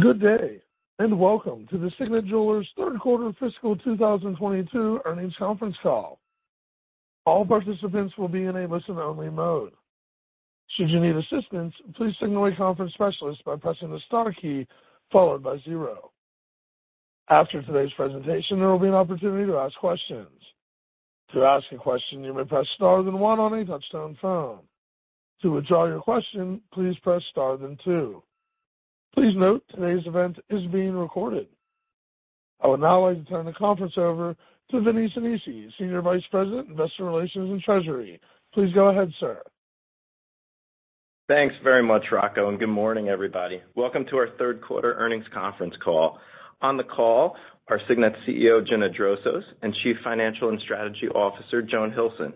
Good day, and welcome to the Signet Jewelers Third Quarter Fiscal 2022 Earnings Conference Call. All participants will be in a listen-only mode. Should you need assistance, please signal a conference specialist by pressing the star key followed by zero. After today's presentation, there will be an opportunity to ask questions. To ask a question, you may press star then one on a touchtone phone. To withdraw your question, please press star then two. Please note today's event is being recorded. I would now like to turn the conference over to Vinnie Sinisi, Senior Vice President, Investor Relations and Treasury. Please go ahead, sir. Thanks very much, Rocco, and good morning, everybody. Welcome to our third quarter earnings conference call. On the call are Signet CEO, Gina Drosos, and Chief Financial and Strategy Officer, Joan Hilson.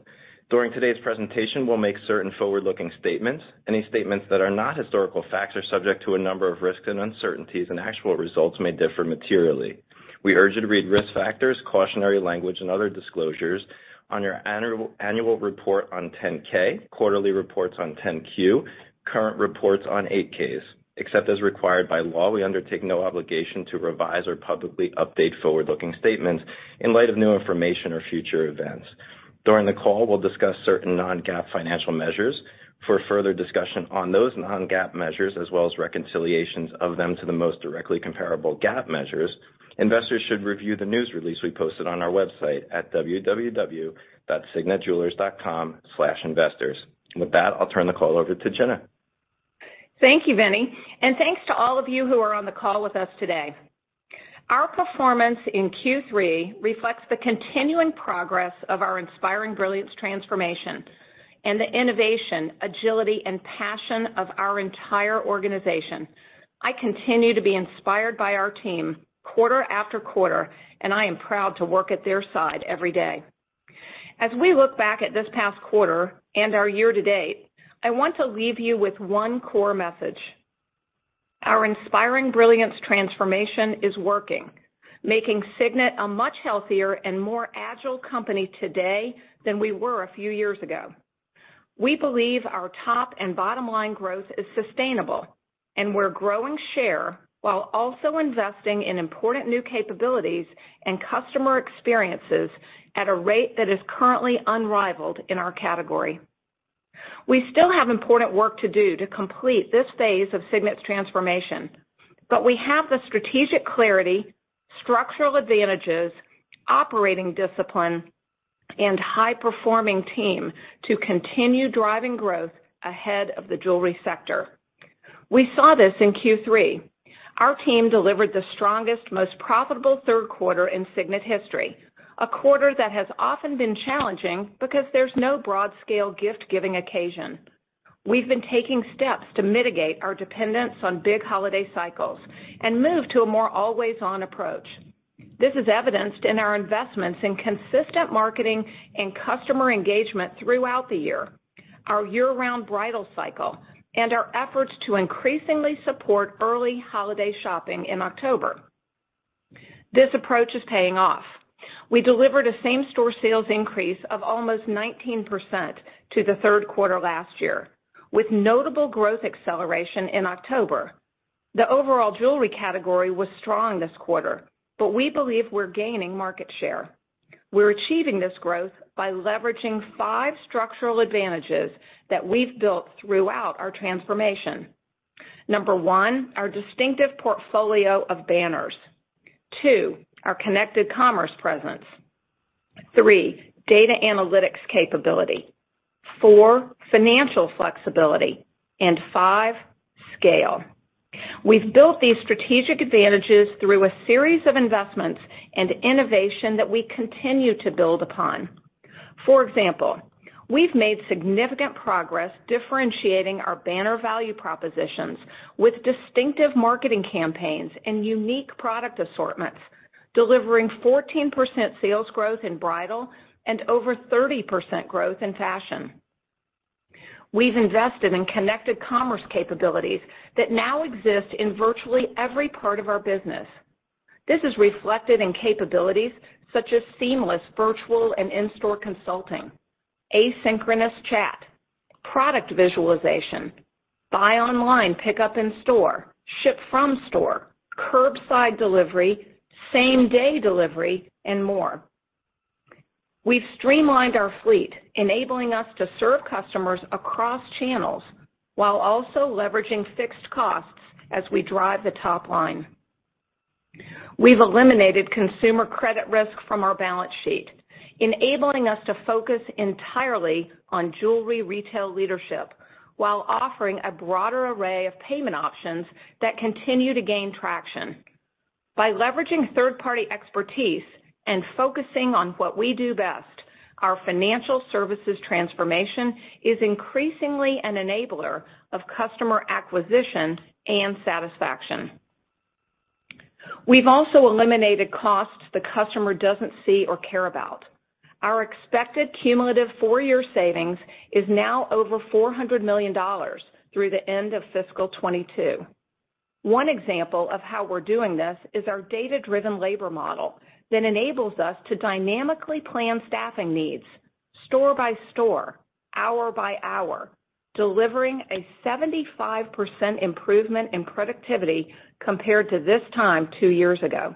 During today's presentation, we'll make certain forward-looking statements. Any statements that are not historical facts are subject to a number of risks and uncertainties, and actual results may differ materially. We urge you to read risk factors, cautionary language and other disclosures in our annual report on 10-K, quarterly reports on 10-Q, current reports on 8-Ks. Except as required by law, we undertake no obligation to revise or publicly update forward-looking statements in light of new information or future events. During the call, we'll discuss certain non-GAAP financial measures. For further discussion on those non-GAAP measures as well as reconciliations of them to the most directly comparable GAAP measures, investors should review the news release we posted on our website at www.signetjewelers.com/investors. With that, I'll turn the call over to Gina. Thank you, Vinnie, and thanks to all of you who are on the call with us today. Our performance in Q3 reflects the continuing progress of our Inspiring Brilliance transformation and the innovation, agility, and passion of our entire organization. I continue to be inspired by our team quarter after quarter, and I am proud to work at their side every day. As we look back at this past quarter and our year to date, I want to leave you with one core message. Our Inspiring Brilliance transformation is working, making Signet a much healthier and more agile company today than we were a few years ago. We believe our top and bottom-line growth is sustainable, and we're growing share while also investing in important new capabilities and customer experiences at a rate that is currently unrivaled in our category. We still have important work to do to complete this phase of Signet's transformation, but we have the strategic clarity, structural advantages, operating discipline, and high-performing team to continue driving growth ahead of the jewelry sector. We saw this in Q3. Our team delivered the strongest, most profitable third quarter in Signet history, a quarter that has often been challenging because there's no broad-scale gift-giving occasion. We've been taking steps to mitigate our dependence on big holiday cycles and move to a more always-on approach. This is evidenced in our investments in consistent marketing and customer engagement throughout the year, our year-round bridal cycle, and our efforts to increasingly support early holiday shopping in October. This approach is paying off. We delivered a same-store sales increase of almost 19% to the third quarter last year, with notable growth acceleration in October. The overall jewelry category was strong this quarter, but we believe we're gaining market share. We're achieving this growth by leveraging five structural advantages that we've built throughout our transformation. Number one, our distinctive portfolio of banners. Two, our Connected Commerce presence. Three, data analytics capability. Four, financial flexibility. Five, scale. We've built these strategic advantages through a series of investments and innovation that we continue to build upon. For example, we've made significant progress differentiating our banner value propositions with distinctive marketing campaigns and unique product assortments, delivering 14% sales growth in bridal and over 30% growth in fashion. We've invested in Connected Commerce capabilities that now exist in virtually every part of our business. This is reflected in capabilities such as seamless virtual and in-store consulting, asynchronous chat, product visualization, buy online, pick up in store, ship from store, curbside delivery, same-day delivery, and more. We've streamlined our fleet, enabling us to serve customers across channels while also leveraging fixed costs as we drive the top line. We've eliminated consumer credit risk from our balance sheet, enabling us to focus entirely on jewelry retail leadership while offering a broader array of payment options that continue to gain traction. By leveraging third-party expertise and focusing on what we do best, our financial services transformation is increasingly an enabler of customer acquisition and satisfaction. We've also eliminated costs the customer doesn't see or care about. Our expected cumulative four-year savings is now over $400 million through the end of fiscal 2022. One example of how we're doing this is our data-driven labor model that enables us to dynamically plan staffing needs. Store by store, hour by hour, delivering a 75% improvement in productivity compared to this time two years ago.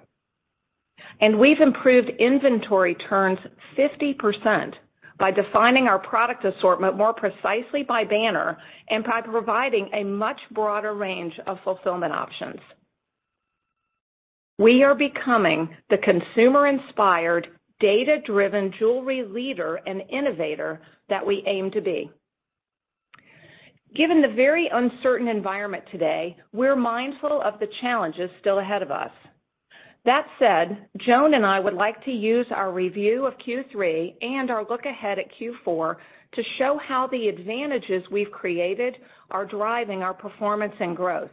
We've improved inventory turns 50% by defining our product assortment more precisely by banner and by providing a much broader range of fulfillment options. We are becoming the consumer-inspired, data-driven jewelry leader and innovator that we aim to be. Given the very uncertain environment today, we're mindful of the challenges still ahead of us. That said, Joan and I would like to use our review of Q3 and our look-ahead at Q4 to show how the advantages we've created are driving our performance and growth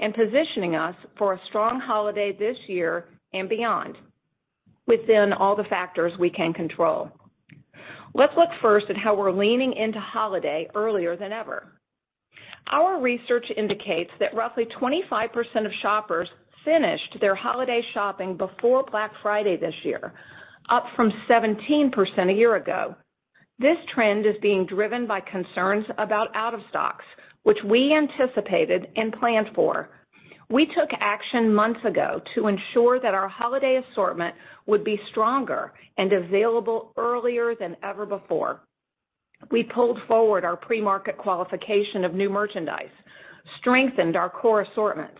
and positioning us for a strong holiday this year and beyond within all the factors we can control. Let's look first at how we're leaning into holiday earlier than ever. Our research indicates that roughly 25% of shoppers finished their holiday shopping before Black Friday this year, up from 17% a year ago. This trend is being driven by concerns about out-of-stocks, which we anticipated and planned for. We took action months ago to ensure that our holiday assortment would be stronger and available earlier than ever before. We pulled forward our pre-market qualification of new merchandise, strengthened our core assortments,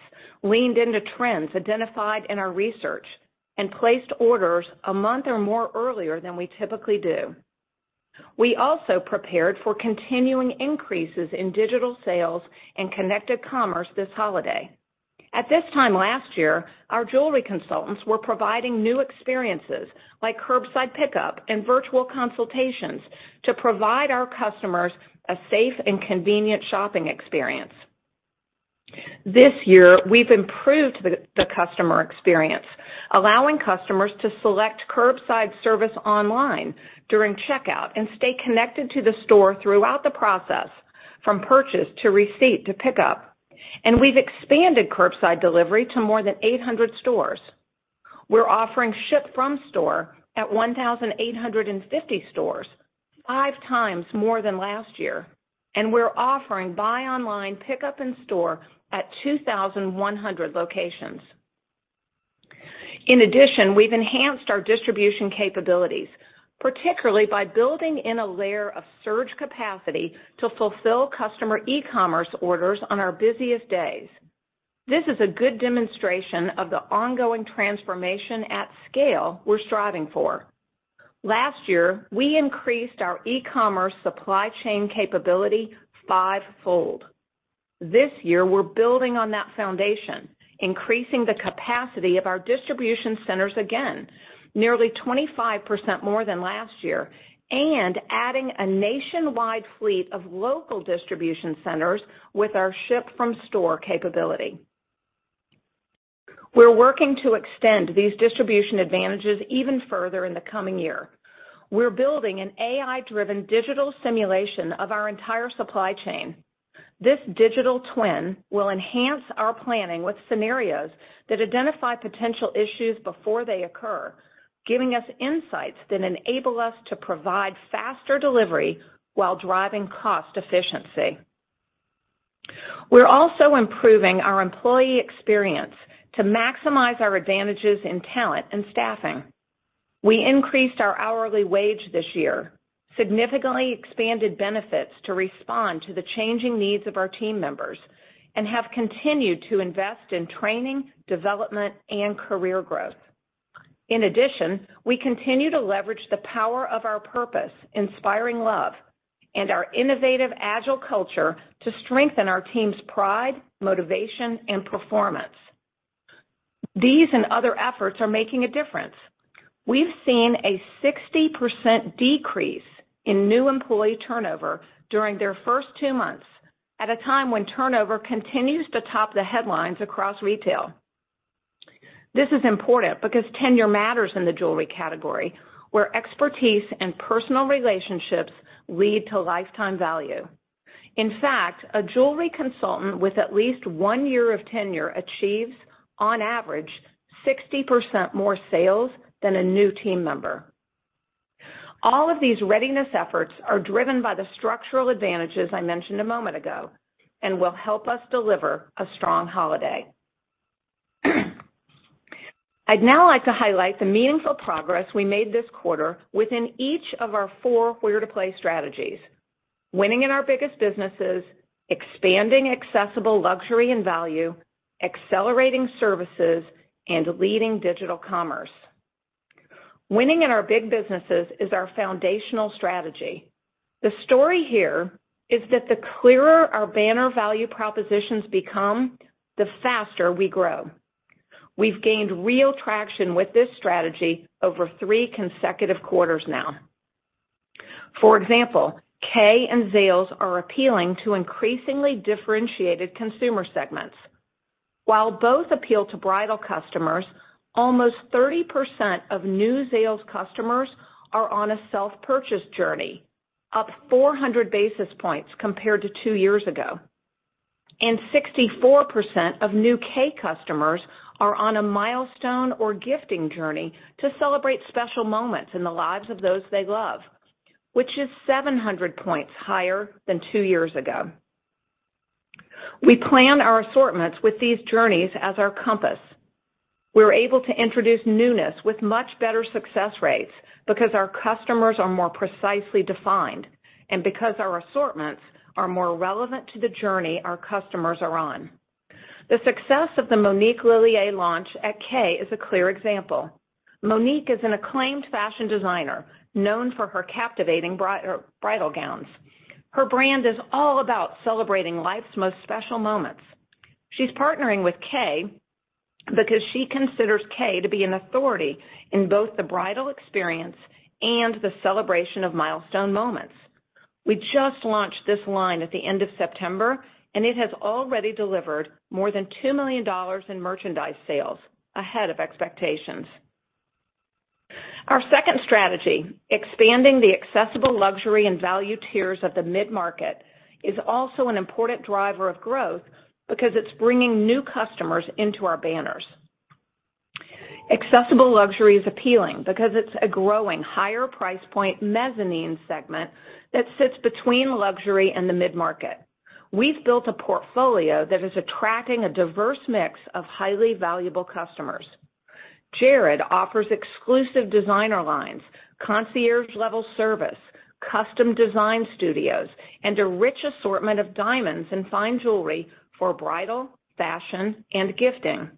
leaned into trends identified in our research, and placed orders a month or more earlier than we typically do. We also prepared for continuing increases in digital sales and Connected Commerce this holiday. At this time last year, our jewelry consultants were providing new experiences like curbside pickup and virtual consultations to provide our customers a safe and convenient shopping experience. This year, we've improved the customer experience, allowing customers to select curbside service online during checkout and stay connected to the store throughout the process, from purchase to receipt to pickup. We've expanded curbside delivery to more than 800 stores. We're offering ship from store at 1,850 stores, five times more than last year, and we're offering buy online pickup in-store at 2,100 locations. In addition, we've enhanced our distribution capabilities, particularly by building in a layer of surge capacity to fulfill customer e-commerce orders on our busiest days. This is a good demonstration of the ongoing transformation at scale we're striving for. Last year, we increased our e-commerce supply chain capability five-fold. This year, we're building on that foundation, increasing the capacity of our distribution centers again, nearly 25% more than last year, and adding a nationwide fleet of local distribution centers with our ship from store capability. We're working to extend these distribution advantages even further in the coming year. We're building an AI-driven digital simulation of our entire supply chain. This digital twin will enhance our planning with scenarios that identify potential issues before they occur, giving us insights that enable us to provide faster delivery while driving cost efficiency. We're also improving our employee experience to maximize our advantages in talent and staffing. We increased our hourly wage this year, significantly expanded benefits to respond to the changing needs of our team members, and have continued to invest in training, development, and career growth. In addition, we continue to leverage the power of our purpose, Inspiring Love, and our innovative agile culture to strengthen our team's pride, motivation, and performance. These and other efforts are making a difference. We've seen a 60% decrease in new employee turnover during their first two months at a time when turnover continues to top the headlines across retail. This is important because tenure matters in the jewelry category, where expertise and personal relationships lead to lifetime value. In fact, a jewelry consultant with at least one year of tenure achieves, on average, 60% more sales than a new team member. All of these readiness efforts are driven by the structural advantages I mentioned a moment ago and will help us deliver a strong holiday. I'd now like to highlight the meaningful progress we made this quarter within each of our four where-to-play strategies, winning in our biggest businesses, expanding accessible luxury and value, accelerating services, and leading digital commerce. Winning in our big businesses is our foundational strategy. The story here is that the clearer our banner value propositions become, the faster we grow. We've gained real traction with this strategy over three consecutive quarters now. For example, Kay and Zales are appealing to increasingly differentiated consumer segments. While both appeal to bridal customers, almost 30% of new Zales customers are on a self-purchase journey, up 400 basis points compared to two years ago. 64% of new Kay customers are on a milestone or gifting journey to celebrate special moments in the lives of those they love, which is 700 points higher than two years ago. We plan our assortments with these journeys as our compass. We're able to introduce newness with much better success rates because our customers are more precisely defined and because our assortments are more relevant to the journey our customers are on. The success of the Monique Lhuillier launch at Kay is a clear example. Monique is an acclaimed fashion designer known for her captivating bridal gowns. Her brand is all about celebrating life's most special moments. She's partnering with Kay because she considers Kay to be an authority in both the bridal experience and the celebration of milestone moments. We just launched this line at the end of September, and it has already delivered more than $2 million in merchandise sales ahead of expectations. Our second strategy, expanding the accessible luxury and value tiers of the mid-market, is also an important driver of growth because it's bringing new customers into our banners. Accessible luxury is appealing because it's a growing higher price point mezzanine segment that sits between luxury and the mid-market. We've built a portfolio that is attracting a diverse mix of highly valuable customers. Jared offers exclusive designer lines, concierge-level service, custom design studios, and a rich assortment of diamonds and fine jewelry for bridal, fashion, and gifting.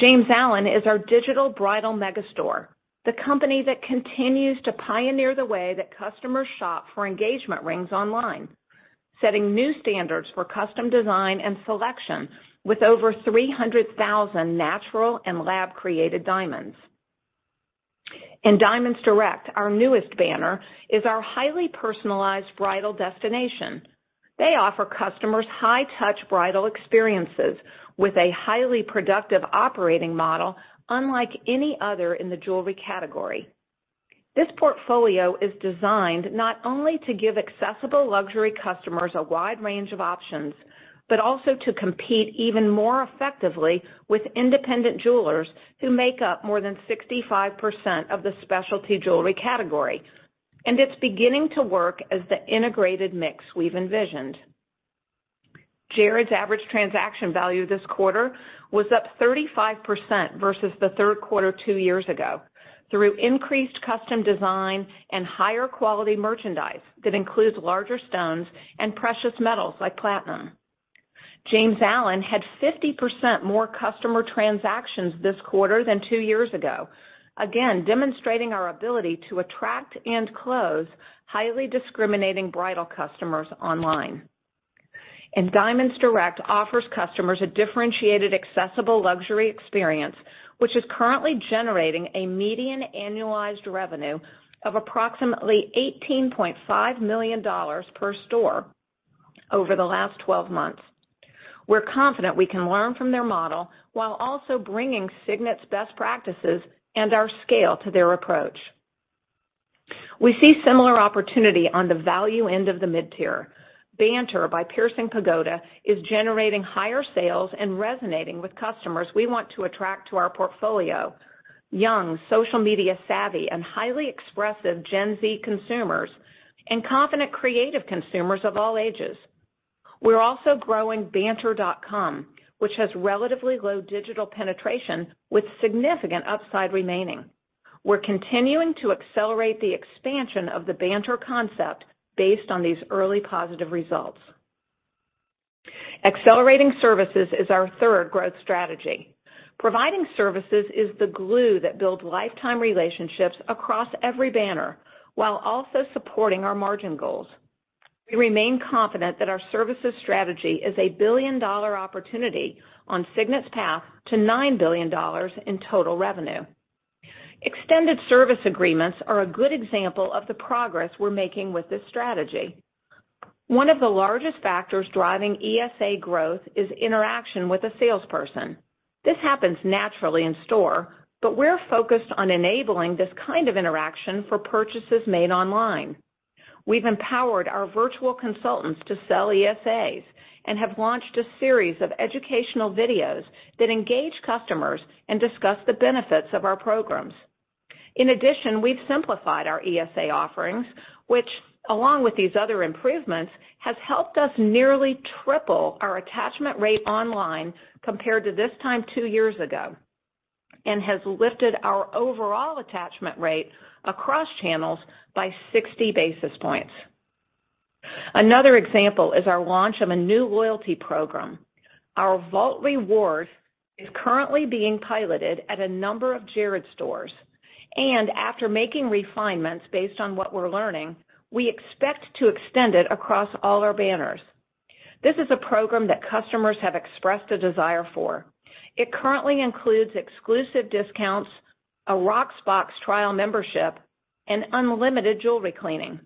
James Allen is our digital bridal mega store, the company that continues to pioneer the way that customers shop for engagement rings online, setting new standards for custom design and selection with over 300,000 natural and lab-created diamonds. In Diamonds Direct, our newest banner is our highly personalized bridal destination. They offer customers high-touch bridal experiences with a highly productive operating model unlike any other in the jewelry category. This portfolio is designed not only to give accessible luxury customers a wide range of options, but also to compete even more effectively with independent jewelers who make up more than 65% of the specialty jewelry category. It's beginning to work as the integrated mix we've envisioned. Jared's average transaction value this quarter was up 35% versus the third quarter two years ago through increased custom design and higher quality merchandise that includes larger stones and precious metals like platinum. James Allen had 50% more customer transactions this quarter than two years ago, again demonstrating our ability to attract and close highly discriminating bridal customers online. Diamonds Direct offers customers a differentiated accessible luxury experience, which is currently generating a median annualized revenue of approximately $18.5 million per store over the last 12 months. We're confident we can learn from their model while also bringing Signet's best practices and our scale to their approach. We see similar opportunity on the value end of the mid-tier. Banter by Piercing Pagoda is generating higher sales and resonating with customers we want to attract to our portfolio. Young, social media savvy, and highly expressive Gen Z consumers and confident creative consumers of all ages. We're also growing banter.com, which has relatively low digital penetration with significant upside remaining. We're continuing to accelerate the expansion of the Banter concept based on these early positive results. Accelerating services is our third growth strategy. Providing services is the glue that builds lifetime relationships across every banner while also supporting our margin goals. We remain confident that our services strategy is a billion-dollar opportunity on Signet's path to $9 billion in total revenue. Extended service agreements are a good example of the progress we're making with this strategy. One of the largest factors driving ESA growth is interaction with a salesperson. This happens naturally in store, but we're focused on enabling this kind of interaction for purchases made online. We've empowered our virtual consultants to sell ESAs and have launched a series of educational videos that engage customers and discuss the benefits of our programs. In addition, we've simplified our ESA offerings, which along with these other improvements, has helped us nearly triple our attachment rate online compared to this time two years ago, and has lifted our overall attachment rate across channels by 60 basis points. Another example is our launch of a new loyalty program. Our Vault Rewards is currently being piloted at a number of Jared stores, and after making refinements based on what we're learning, we expect to extend it across all our banners. This is a program that customers have expressed a desire for. It currently includes exclusive discounts, a Rocksbox trial membership, and unlimited jewelry cleaning.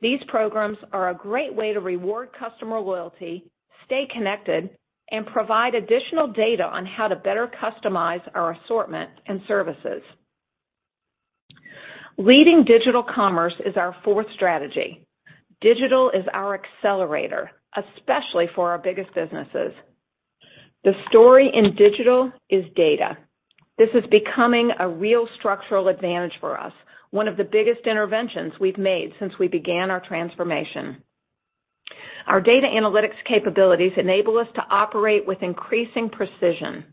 These programs are a great way to reward customer loyalty, stay connected, and provide additional data on how to better customize our assortment and services. Leading digital commerce is our fourth strategy. Digital is our accelerator, especially for our biggest businesses. The story in digital is data. This is becoming a real structural advantage for us, one of the biggest interventions we've made since we began our transformation. Our data analytics capabilities enable us to operate with increasing precision.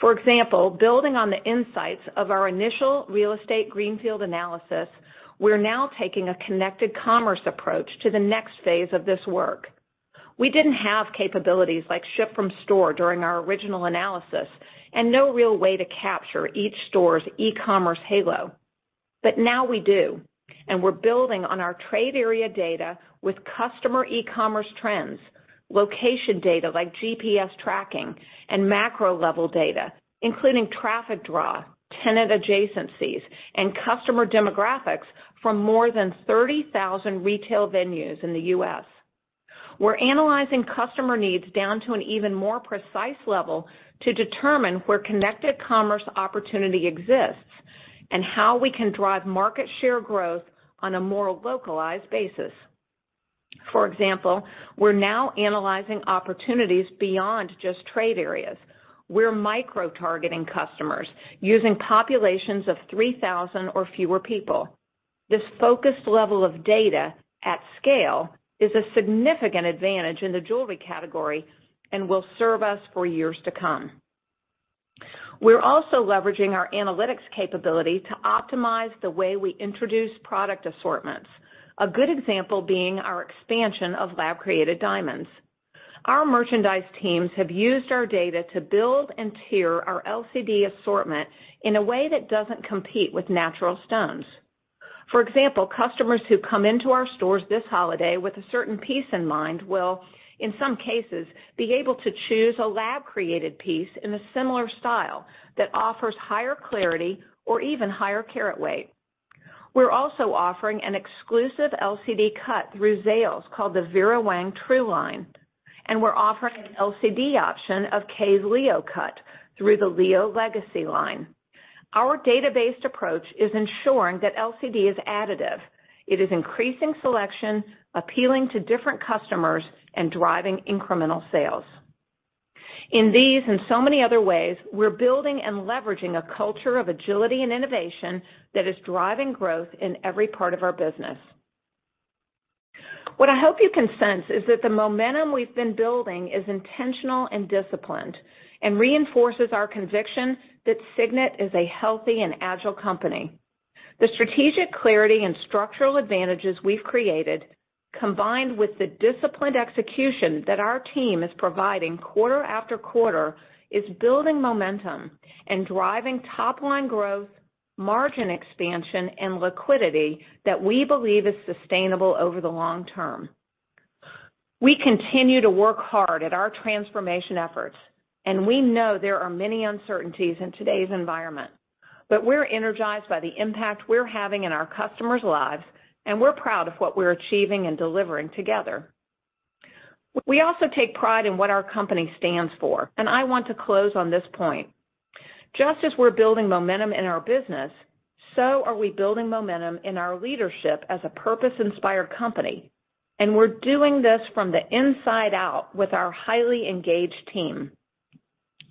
For example, building on the insights of our initial real estate greenfield analysis, we're now taking a Connected Commerce approach to the next phase of this work. We didn't have capabilities like ship from store during our original analysis and no real way to capture each store's e-commerce halo. Now we do, and we're building on our trade area data with customer e-commerce trends, location data like GPS tracking, and macro-level data, including traffic draw, tenant adjacencies, and customer demographics from more than 30,000 retail venues in the U.S. We're analyzing customer needs down to an even more precise level to determine where Connected Commerce opportunity exists and how we can drive market share growth on a more localized basis. For example, we're now analyzing opportunities beyond just trade areas. We're micro-targeting customers using populations of 3,000 or fewer people. This focused level of data at scale is a significant advantage in the jewelry category and will serve us for years to come. We're also leveraging our analytics capability to optimize the way we introduce product assortments, a good example being our expansion of lab-created diamonds. Our merchandise teams have used our data to build and tier our LCD assortment in a way that doesn't compete with natural stones. For example, customers who come into our stores this holiday with a certain piece in mind will, in some cases, be able to choose a lab-created piece in a similar style that offers higher clarity or even higher carat weight. We're also offering an exclusive LCD cut through Zales called the Vera Wang TRUE line, and we're offering an LCD option of Kay's Leo Cut through the THE LEO Legacy line. Our data-based approach is ensuring that LCD is additive. It is increasing selection, appealing to different customers, and driving incremental sales. In these and so many other ways, we're building and leveraging a culture of agility and innovation that is driving growth in every part of our business. What I hope you can sense is that the momentum we've been building is intentional and disciplined and reinforces our conviction that Signet is a healthy and agile company. The strategic clarity and structural advantages we've created, combined with the disciplined execution that our team is providing quarter after quarter, is building momentum and driving top-line growth, margin expansion, and liquidity that we believe is sustainable over the long term. We continue to work hard at our transformation efforts, and we know there are many uncertainties in today's environment. We're energized by the impact we're having in our customers' lives, and we're proud of what we're achieving and delivering together. We also take pride in what our company stands for, and I want to close on this point. Just as we're building momentum in our business, so are we building momentum in our leadership as a purpose-inspired company, and we're doing this from the inside out with our highly engaged team.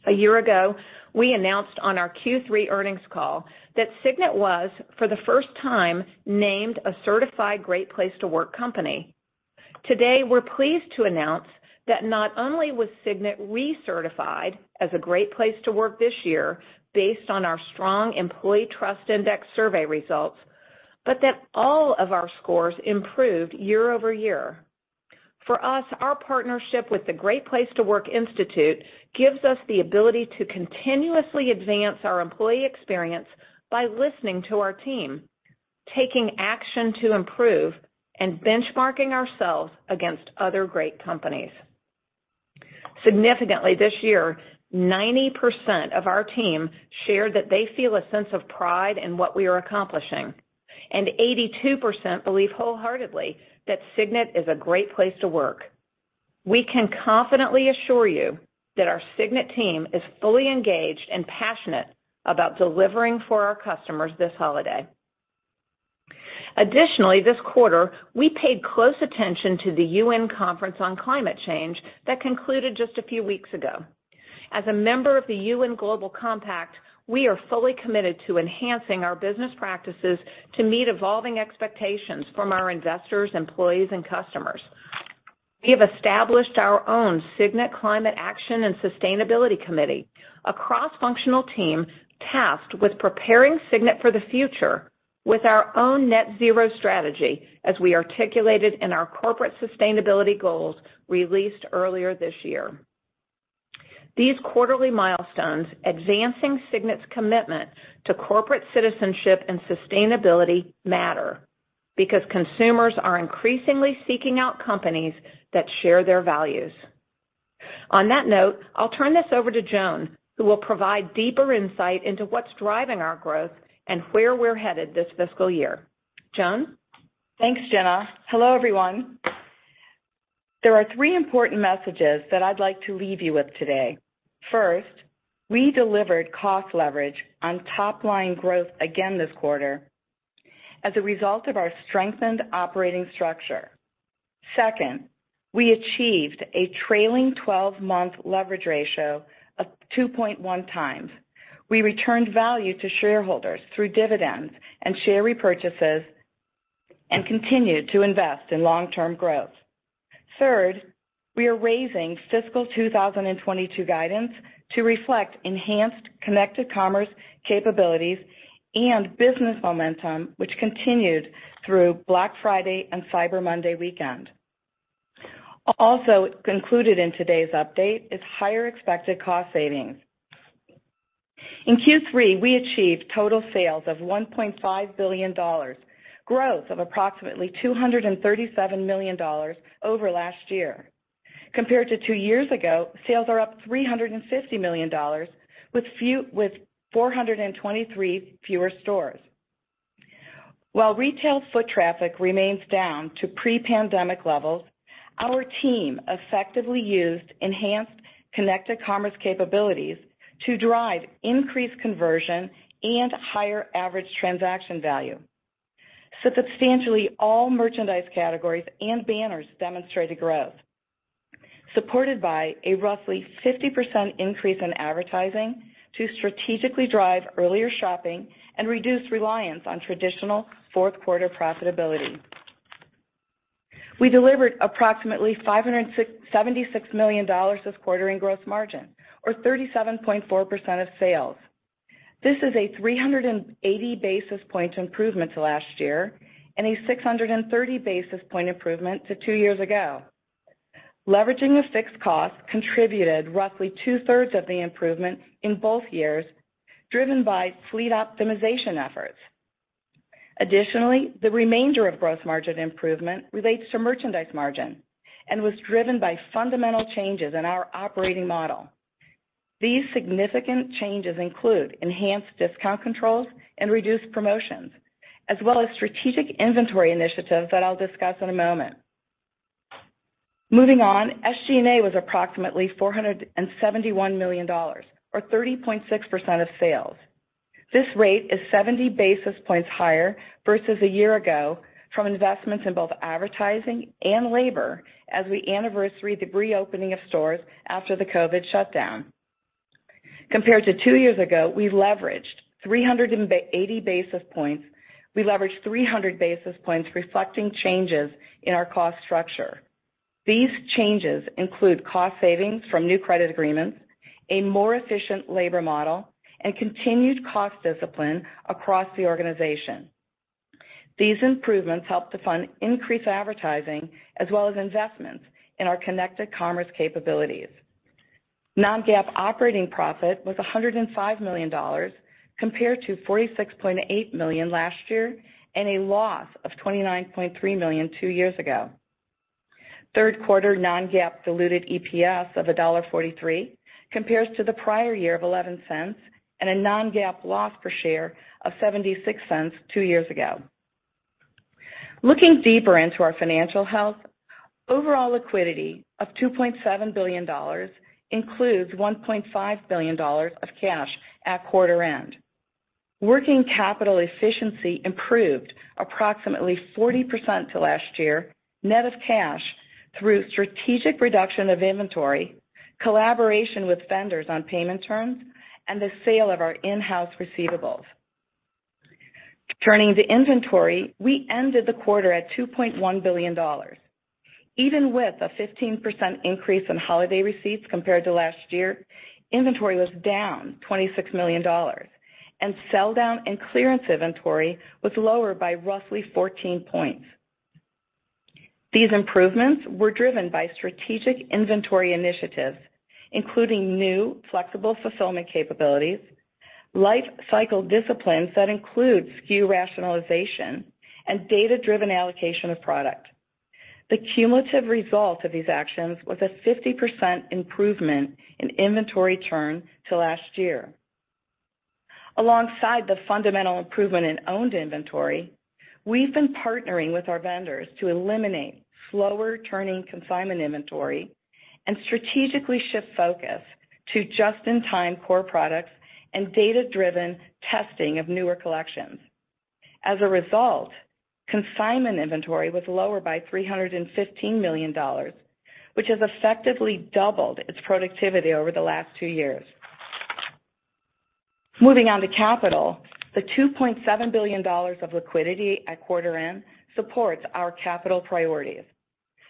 A year ago, we announced on our Q3 earnings call that Signet was, for the first time, named a certified Great Place to Work company. Today, we're pleased to announce that not only was Signet recertified as a Great Place to Work this year based on our strong employee trust index survey results, but that all of our scores improved year-over-year. For us, our partnership with the Great Place to Work Institute gives us the ability to continuously advance our employee experience by listening to our team, taking action to improve, and benchmarking ourselves against other great companies. Significantly, this year, 90% of our team shared that they feel a sense of pride in what we are accomplishing, and 82% believe wholeheartedly that Signet is a great place to work. We can confidently assure you that our Signet team is fully engaged and passionate about delivering for our customers this holiday. Additionally, this quarter, we paid close attention to the UN Conference Climate Change that concluded just a few weeks ago. As a member of the UN Global Compact, we are fully committed to enhancing our business practices to meet evolving expectations from our investors, employees, and customers. We have established our own Signet Climate Action and Sustainability Committee, a cross-functional team tasked with preparing Signet for the future with our own net zero strategy as we articulated in our corporate sustainability goals released earlier this year. These quarterly milestones advancing Signet's commitment to corporate citizenship and sustainability matter because consumers are increasingly seeking out companies that share their values. On that note, I'll turn this over to Joan, who will provide deeper insight into what's driving our growth and where we're headed this fiscal year. Joan? Thanks, Gina. Hello, everyone. There are three important messages that I'd like to leave you with today. First, we delivered cost leverage on top line growth again this quarter as a result of our strengthened operating structure. Second, we achieved a trailing twelve-month leverage ratio of 2.1x. We returned value to shareholders through dividends and share repurchases and continued to invest in long-term growth. Third, we are raising fiscal 2022 guidance to reflect enhanced Connected Commerce capabilities and business momentum, which continued through Black Friday and Cyber Monday weekend. Also concluded in today's update is higher expected cost savings. In Q3, we achieved total sales of $1.5 billion, growth of approximately $237 million over last year. Compared to two years ago, sales are up $350 million with 423 fewer stores. While retail foot traffic remains down to pre-pandemic levels, our team effectively used enhanced Connected Commerce capabilities to drive increased conversion and higher average transaction value. Substantially all merchandise categories and banners demonstrated growth, supported by a roughly 50% increase in advertising to strategically drive earlier shopping and reduce reliance on traditional fourth quarter profitability. We delivered approximately $576 million this quarter in growth margin or 37.4% of sales. This is a 380 basis point improvement to last year and a 630 basis point improvement to two years ago. Leveraging the fixed costs contributed roughly two-thirds of the improvement in both years, driven by fleet optimization efforts. Additionally, the remainder of growth margin improvement relates to merchandise margin and was driven by fundamental changes in our operating model. These significant changes include enhanced discount controls and reduced promotions, as well as strategic inventory initiatives that I'll discuss in a moment. Moving on, SG&A was approximately $471 million or 30.6% of sales. This rate is 70 basis points higher versus a year ago from investments in both advertising and labor as we anniversary the reopening of stores after the COVID shutdown. Compared to two years ago, we leveraged 300 basis points reflecting changes in our cost structure. These changes include cost savings from new credit agreements, a more efficient labor model, and continued cost discipline across the organization. These improvements helped to fund increased advertising as well as investments in our Connected Commerce capabilities. Non-GAAP operating profit was $105 million compared to $46.8 million last year, and a loss of $29.3 million two years ago. Third quarter non-GAAP diluted EPS of $1.43 compares to the prior year of $0.11 and a non-GAAP loss per share of $0.76 two years ago. Looking deeper into our financial health, overall liquidity of $2.7 billion includes $1.5 billion of cash at quarter end. Working capital efficiency improved approximately 40% to last year net of cash through strategic reduction of inventory, collaboration with vendors on payment terms, and the sale of our in-house receivables. Turning to inventory, we ended the quarter at $2.1 billion. Even with a 15% increase in holiday receipts compared to last year, inventory was down $26 million and sell down and clearance inventory was lower by roughly 14 points. These improvements were driven by strategic inventory initiatives, including new flexible fulfillment capabilities, lifecycle disciplines that include SKU rationalization, and data-driven allocation of product. The cumulative result of these actions was a 50% improvement in inventory turn to last year. Alongside the fundamental improvement in owned inventory, we've been partnering with our vendors to eliminate slower turning consignment inventory and strategically shift focus to just-in-time core products and data-driven testing of newer collections. As a result, consignment inventory was lower by $315 million, which has effectively doubled its productivity over the last two years. Moving on to capital, the $2.7 billion of liquidity at quarter end supports our capital priorities.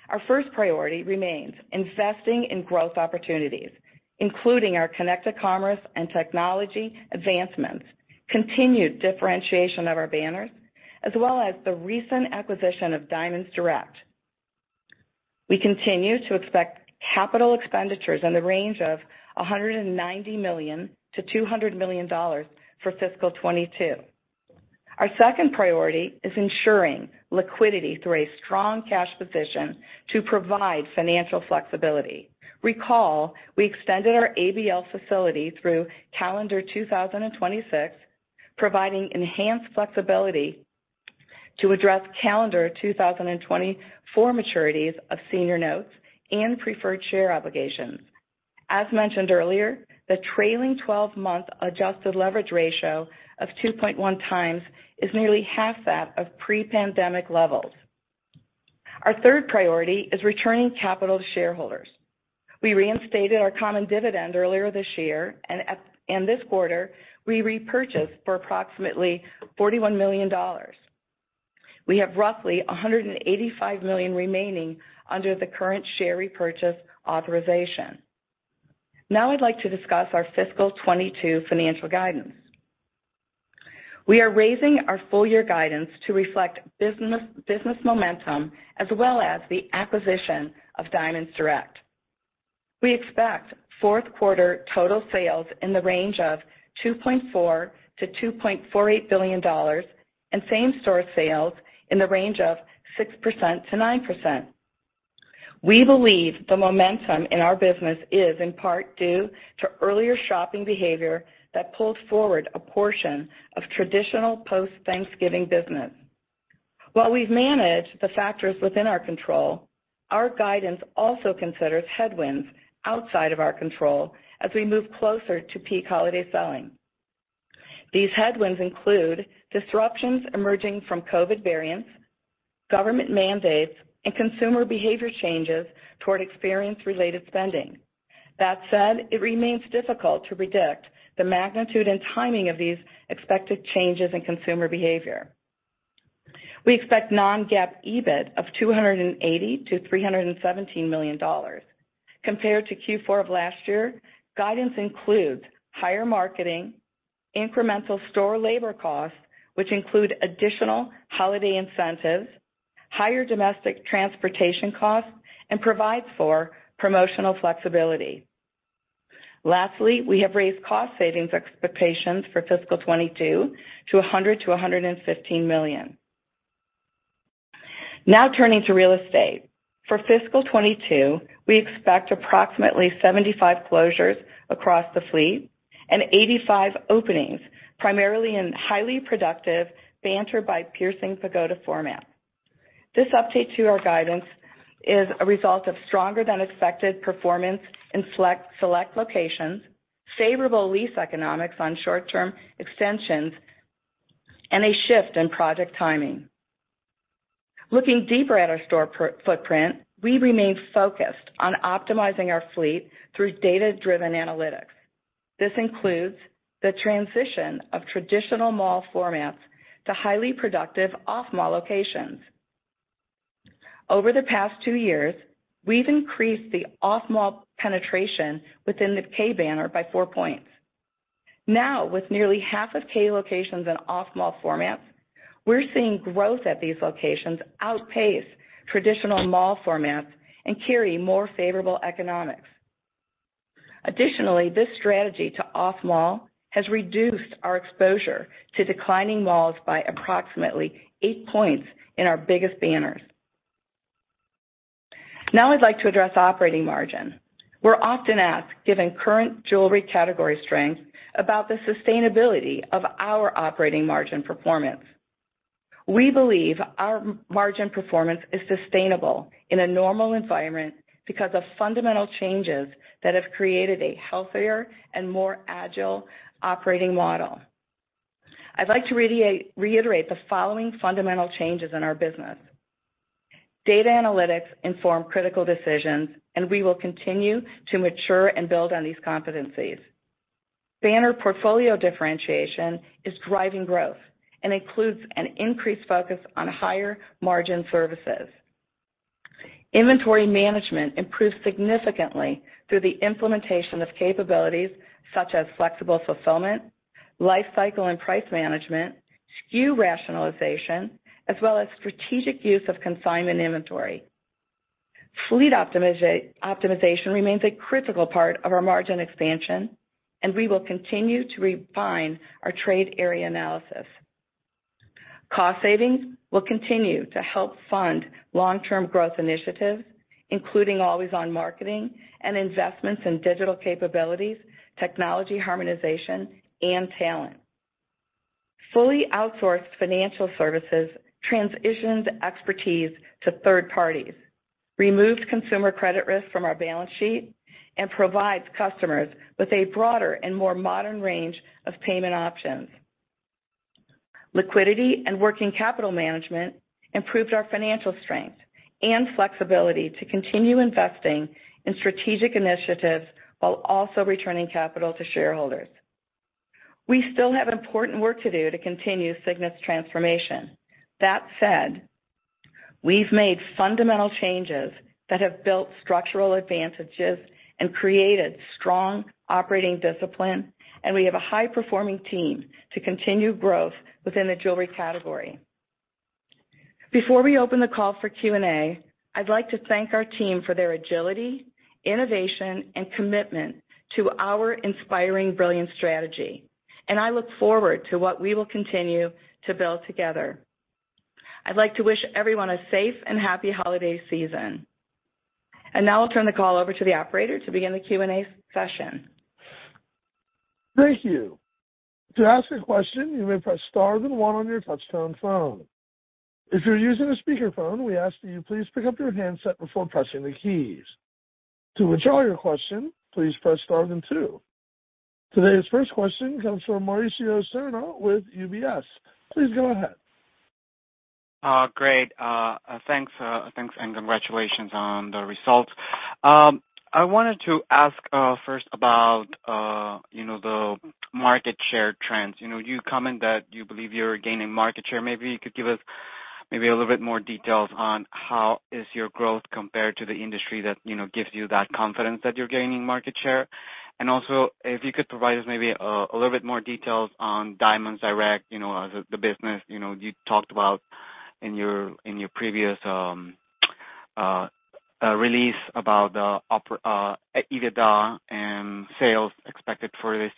Our first priority remains investing in growth opportunities, including our Connected Commerce and technology advancements, continued differentiation of our banners, as well as the recent acquisition of Diamonds Direct. We continue to expect capital expenditures in the range of $190 million-$200 million for fiscal 2022. Our second priority is ensuring liquidity through a strong cash position to provide financial flexibility. Recall, we extended our ABL facility through calendar 2026, providing enhanced flexibility to address calendar 2024 maturities of senior notes and preferred share obligations. As mentioned earlier, the trailing 12-month adjusted leverage ratio of 2.1x is nearly half that of pre-pandemic levels. Our third priority is returning capital to shareholders. We reinstated our common dividend earlier this year and, in this quarter, we repurchased for approximately $41 million. We have roughly 185 million remaining under the current share repurchase authorization. Now I'd like to discuss our fiscal 2022 financial guidance. We are raising our full year guidance to reflect business momentum as well as the acquisition of Diamonds Direct. We expect fourth quarter total sales in the range of $2.4 billion-$2.48 billion and same-store sales in the range of 6%-9%. We believe the momentum in our business is in part due to earlier shopping behavior that pulled forward a portion of traditional post-Thanksgiving business. While we've managed the factors within our control, our guidance also considers headwinds outside of our control as we move closer to peak holiday selling. These headwinds include disruptions emerging from COVID variants, government mandates, and consumer behavior changes toward experience-related spending. That said, it remains difficult to predict the magnitude and timing of these expected changes in consumer behavior. We expect non-GAAP EBIT of $280 million-$317 million. Compared to Q4 of last year, guidance includes higher marketing, incremental store labor costs, which include additional holiday incentives, higher domestic transportation costs, and provides for promotional flexibility. Lastly, we have raised cost savings expectations for fiscal 2022 to $100 million-$115 million. Now turning to real estate. For fiscal 2022, we expect approximately 75 closures across the fleet and 85 openings, primarily in highly productive Banter by Piercing Pagoda format. This update to our guidance is a result of stronger than expected performance in select locations, favorable lease economics on short-term extensions, and a shift in project timing. Looking deeper at our store footprint, we remain focused on optimizing our fleet through data-driven analytics. This includes the transition of traditional mall formats to highly productive off-mall locations. Over the past two years, we've increased the off-mall penetration within the Kay banner by four points. Now, with nearly half of Kay locations in off-mall formats, we're seeing growth at these locations outpace traditional mall formats and carry more favorable economics. Additionally, this strategy to off mall has reduced our exposure to declining malls by approximately 8 points in our biggest banners. Now I'd like to address operating margin. We're often asked, given current jewelry category strength, about the sustainability of our operating margin performance. We believe our margin performance is sustainable in a normal environment because of fundamental changes that have created a healthier and more agile operating model. I'd like to reiterate the following fundamental changes in our business. Data analytics inform critical decisions, and we will continue to mature and build on these competencies. Banner portfolio differentiation is driving growth and includes an increased focus on higher margin services. Inventory management improved significantly through the implementation of capabilities such as flexible fulfillment, life cycle and price management, SKU rationalization, as well as strategic use of consignment inventory. Fleet optimization remains a critical part of our margin expansion, and we will continue to refine our trade area analysis. Cost savings will continue to help fund long-term growth initiatives, including always-on marketing and investments in digital capabilities, technology harmonization, and talent. Fully outsourced financial services transitions expertise to third parties, removes consumer credit risk from our balance sheet, and provides customers with a broader and more modern range of payment options. Liquidity and working capital management improved our financial strength and flexibility to continue investing in strategic initiatives while also returning capital to shareholders. We still have important work to do to continue Signet's transformation. That said, we've made fundamental changes that have built structural advantages and created strong operating discipline, and we have a high-performing team to continue growth within the jewelry category. Before we open the call for Q&A, I'd like to thank our team for their agility, innovation, and commitment to our Inspiring Brilliance strategy, and I look forward to what we will continue to build together. I'd like to wish everyone a safe and happy holiday season. Now I'll turn the call over to the operator to begin the Q&A session. Today's first question comes from Mauricio Serna with UBS. Please go ahead. Great. Thanks, and congratulations on the results. I wanted to ask first about, you know, the market share trends. You know, you comment that you believe you're gaining market share. Maybe you could give us maybe a little bit more details on how is your growth compared to the industry that, you know, gives you that confidence that you're gaining market share. And also, if you could provide us maybe a little bit more details on Diamonds Direct, you know, as the business. You know, you talked about in your previous release about the EBITDA and sales expected for this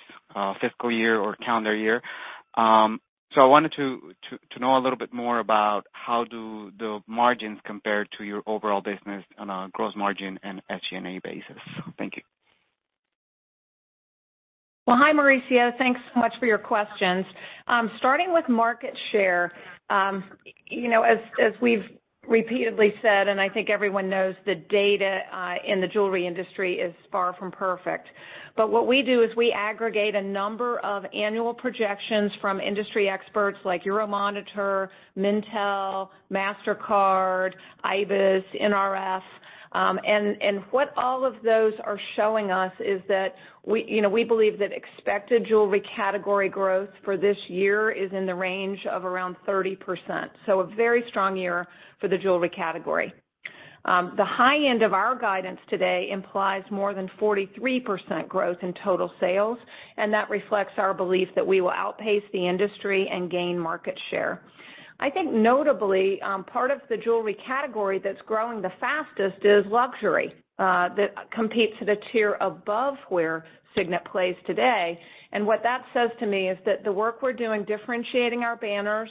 fiscal year or calendar year. I wanted to know a little bit more about how the margins compare to your overall business on a gross margin and SG&A basis. Thank you. Well, hi, Mauricio. Thanks so much for your questions. Starting with market share, you know, as we've repeatedly said, and I think everyone knows, the data in the jewelry industry is far from perfect. What we do is we aggregate a number of annual projections from industry experts like Euromonitor, Mintel, Mastercard, IBIS, NRF. What all of those are showing us is that we you know believe that expected jewelry category growth for this year is in the range of around 30%. A very strong year for the jewelry category. The high end of our guidance today implies more than 43% growth in total sales, and that reflects our belief that we will outpace the industry and gain market share. I think notably, part of the jewelry category that's growing the fastest is luxury, that competes at a tier above where Signet plays today. What that says to me is that the work we're doing differentiating our banners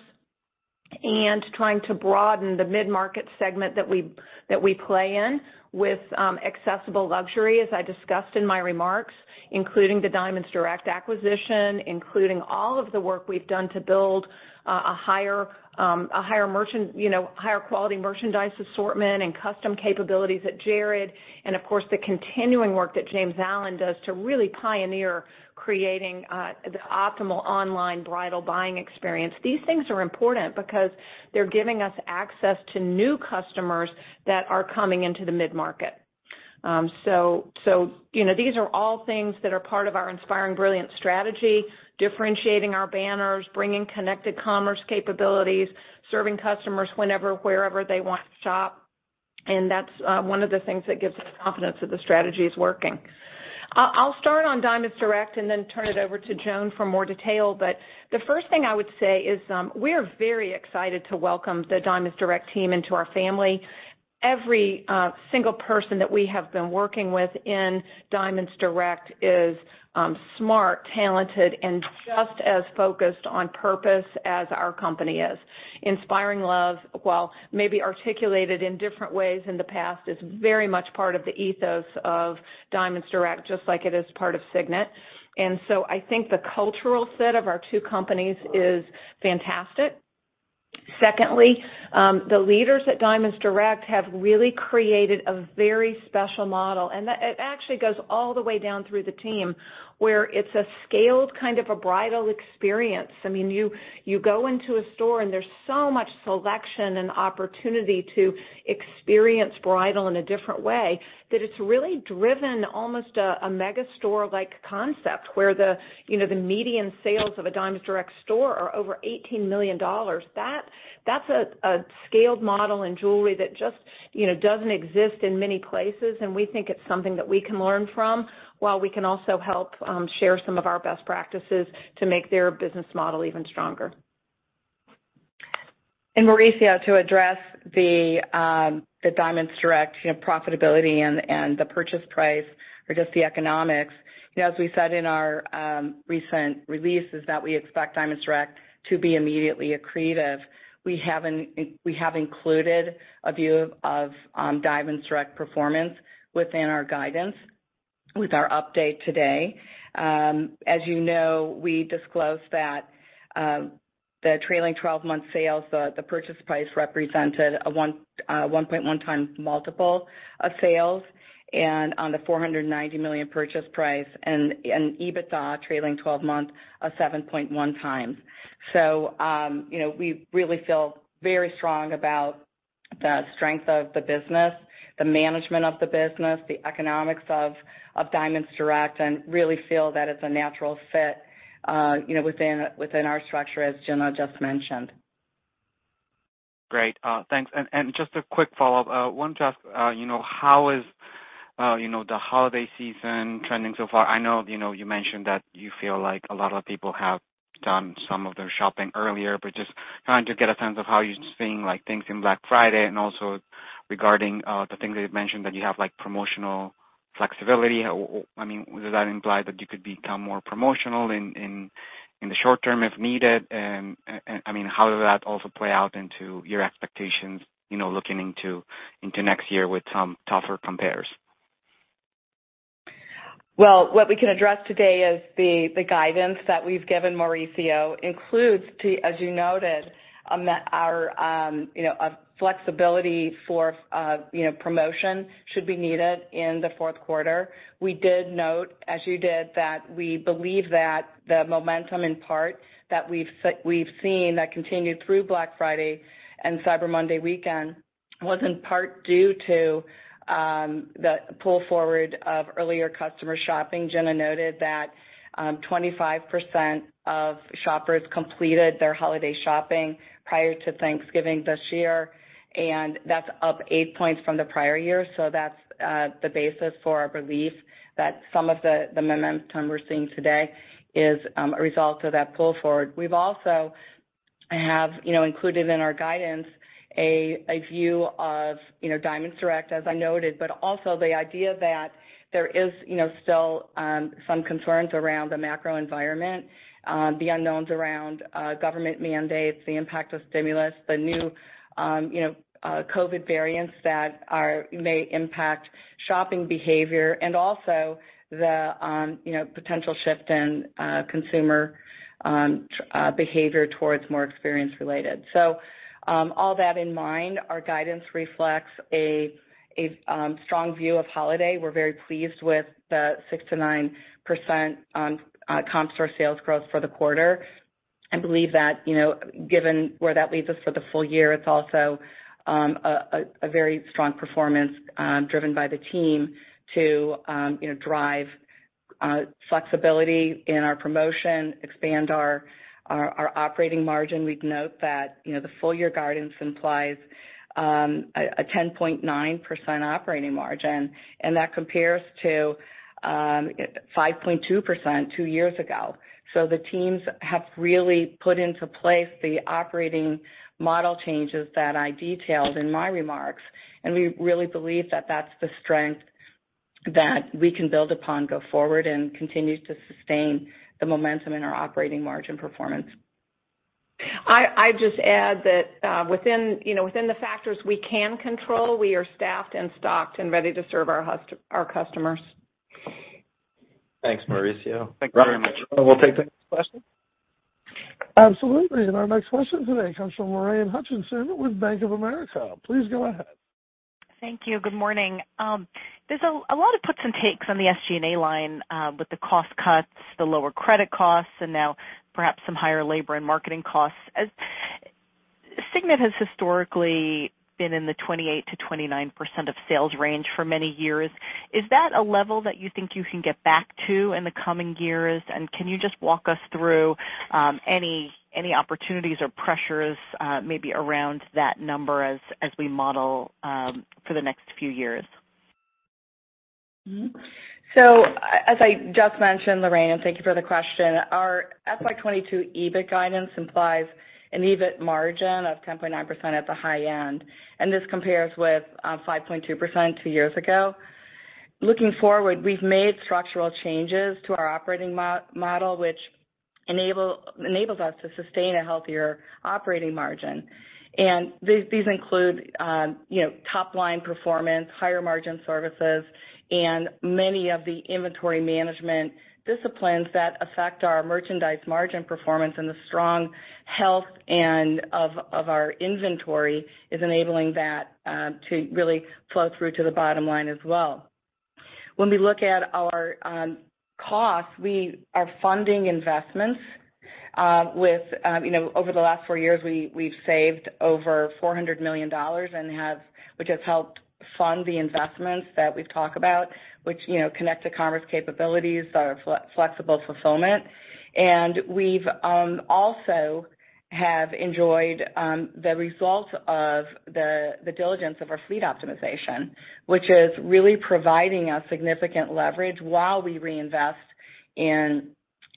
and trying to broaden the mid-market segment that we play in with accessible luxury, as I discussed in my remarks, including the Diamonds Direct acquisition, including all of the work we've done to build a higher quality merchandise assortment and custom capabilities at Jared, and of course, the continuing work that James Allen does to really pioneer creating the optimal online bridal buying experience. These things are important because they're giving us access to new customers that are coming into the mid-market. You know, these are all things that are part of our Inspiring Brilliance strategy, differentiating our banners, bringing Connected Commerce capabilities, serving customers whenever, wherever they want to shop, and that's one of the things that gives us confidence that the strategy is working. I'll start on Diamonds Direct and then turn it over to Joan for more detail, but the first thing I would say is we are very excited to welcome the Diamonds Direct team into our family. Every single person that we have been working with in Diamonds Direct is smart, talented, and just as focused on purpose as our company is. Inspiring love, while maybe articulated in different ways in the past, is very much part of the ethos of Diamonds Direct, just like it is part of Signet. I think the cultural fit of our two companies is fantastic. Secondly, the leaders at Diamonds Direct have really created a very special model, and it actually goes all the way down through the team, where it's a scaled kind of a bridal experience. I mean, you go into a store and there's so much selection and opportunity to experience bridal in a different way that it's really driven almost a mega store-like concept where you know the median sales of a Diamonds Direct store are over $18 million. That's a scaled model in jewelry that just you know doesn't exist in many places, and we think it's something that we can learn from while we can also help share some of our best practices to make their business model even stronger. Mauricio, to address the Diamonds Direct, you know, profitability and the purchase price or just the economics, you know, as we said in our recent releases, that we expect Diamonds Direct to be immediately accretive. We have included a view of Diamonds Direct performance within our guidance with our update today. As you know, we disclosed that the trailing twelve-month sales, the purchase price represented a 1.1x multiple of sales, and on the $490 million purchase price and EBITDA trailing twelve-month a 7.1x. You know, we really feel very strong about the strength of the business, the management of the business, the economics of Diamonds Direct, and really feel that it's a natural fit, you know, within our structure, as Gina just mentioned. Great. Thanks. Just a quick follow-up. I wanted to ask, you know, how is, you know, the holiday season trending so far? I know, you know, you mentioned that you feel like a lot of people have done some of their shopping earlier but just trying to get a sense of how you're seeing like things in Black Friday and also regarding the things that you mentioned that you have like promotional flexibility. I mean, does that imply that you could become more promotional in the short term, if needed, and I mean, how does that also play out into your expectations, you know, looking into next year with some tougher compares? Well, what we can address today is the guidance that we've given, Mauricio, includes, as you noted, that our flexibility for promotion should be needed in the fourth quarter. We did note, as you did, that we believe that the momentum in part that we've seen continued through Black Friday and Cyber Monday weekend was in part due to the pull forward of earlier customer shopping. Gina noted that 25% of shoppers completed their holiday shopping prior to Thanksgiving this year, and that's up 8 points from the prior year. That's the basis for our belief that some of the momentum we're seeing today is a result of that pull forward. We've also have, you know, included in our guidance a view of, you know, Diamonds Direct, as I noted, but also the idea that there is, you know, still some concerns around the macro environment, the unknowns around government mandates, the impact of stimulus, the new, you know, COVID variants that may impact shopping behavior and also the potential shift in consumer behavior towards more experience related. All that in mind, our guidance reflects a strong view of holiday. We're very pleased with the 6%-9% comp store sales growth for the quarter, and believe that, you know, given where that leads us for the full year, it's also a very strong performance, driven by the team to drive flexibility in our promotion, expand our operating margin. We'd note that, you know, the full year guidance implies a 10.9% operating margin, and that compares to 5.2% two years ago. The teams have really put into place the operating model changes that I detailed in my remarks, and we really believe that that's the strength that we can build upon going forward and continue to sustain the momentum in our operating margin performance. I'd just add that, within, you know, within the factors we can control, we are staffed and stocked and ready to serve our customers. Thanks, Mauricio. Thank you very much. We'll take the next question. Absolutely. Our next question today comes from Lorraine Hutchinson with Bank of America. Please go ahead. Thank you. Good morning. There's a lot of puts and takes on the SG&A line with the cost cuts, the lower credit costs, and now perhaps some higher labor and marketing costs. Signet has historically been in the 28%-29% of sales range for many years. Is that a level that you think you can get back to in the coming years? And can you just walk us through any opportunities or pressures maybe around that number as we model for the next few years? As I just mentioned, Lorraine, and thank you for the question. Our FY 2022 EBIT guidance implies an EBIT margin of 10.9% at the high end, and this compares with 5.2% two years ago. Looking forward, we've made structural changes to our operating model, which enables us to sustain a healthier operating margin. These include top line performance, higher margin services, and many of the inventory management disciplines that affect our merchandise margin performance, and the strong health of our inventory is enabling that to really flow through to the bottom line as well. When we look at our costs, we are funding investments with... You know, over the last four years, we've saved over $400 million, which has helped fund the investments that we've talked about, which, you know, Connected Commerce capabilities, our flexible fulfillment. We've also enjoyed the results of the diligence of our fleet optimization, which is really providing us significant leverage while we reinvest in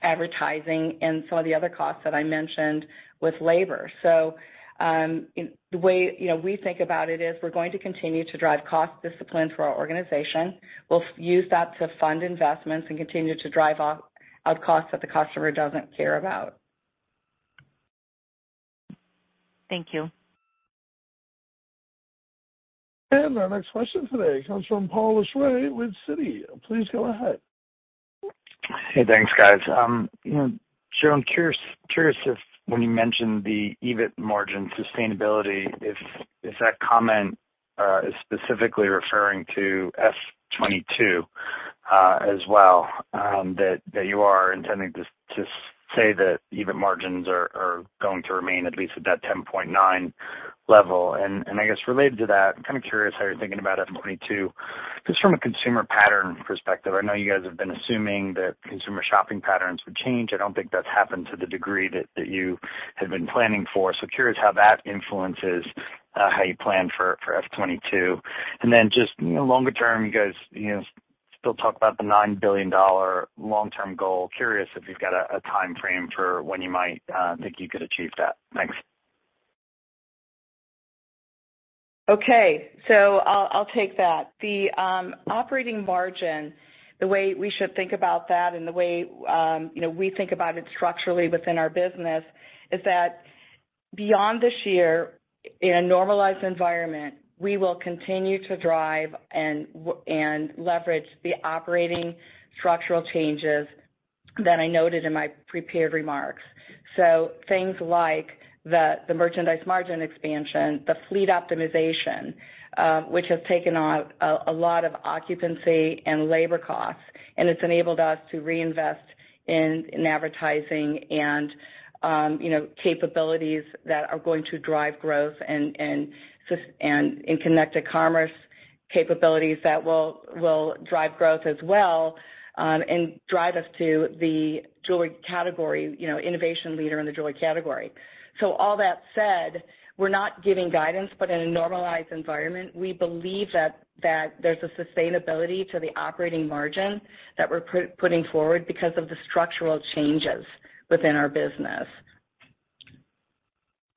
advertising and some of the other costs that I mentioned with labor. The way, you know, we think about it is we're going to continue to drive cost discipline through our organization. We'll use that to fund investments and continue to drive off costs that the customer doesn't care about. Thank you. Our next question today comes from Paul Lejuez with Citi. Please go ahead. Hey, thanks, guys. You know, Joan, curious if when you mentioned the EBIT margin sustainability, if that comment is specifically referring to FY 2022 as well, that you are intending to say that EBIT margins are going to remain at least at that 10.9% level. I guess related to that, I'm kind of curious how you're thinking about FY 2022, just from a consumer pattern perspective. I know you guys have been assuming that consumer shopping patterns would change. I don't think that's happened to the degree that you had been planning for. Curious how that influences how you plan for FY 2022. Just, you know, longer term, you guys, you know, still talk about the $9 billion long-term goal. Curious if you've got a timeframe for when you might think you could achieve that. Thanks. Okay, I'll take that. The operating margin, the way we should think about that and the way, you know, we think about it structurally within our business is that beyond this year, in a normalized environment, we will continue to drive and leverage the operating structural changes that I noted in my prepared remarks, things like the merchandise margin expansion, the fleet optimization, which has taken out a lot of occupancy and labor costs, and it's enabled us to reinvest in advertising and, you know, capabilities that are going to drive growth and in Connected Commerce capabilities that will drive growth as well, and drive us to the jewelry category, you know, innovation leader in the jewelry category. All that said, we're not giving guidance, but in a normalized environment, we believe that there's a sustainability to the operating margin that we're putting forward because of the structural changes within our business.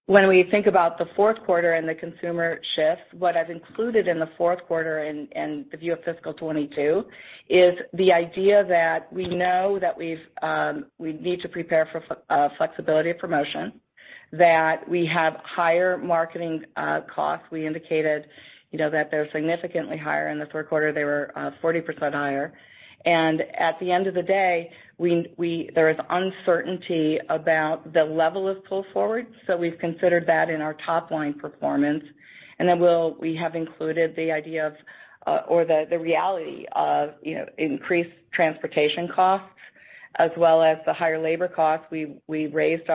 When we think about the fourth quarter and the consumer shift, what I've included in the fourth quarter and the view of fiscal 2022 is the idea that we know that we need to prepare for flexibility of promotion, that we have higher marketing costs. We indicated, you know, that they're significantly higher. In the third quarter, they were 40% higher. At the end of the day, there is uncertainty about the level of pull forward. We've considered that in our top line performance, and then we have included the idea of or the reality of, you know, increased transportation costs as well as the higher labor costs. We raised